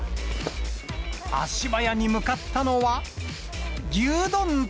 足早に向かったのは、牛丼店。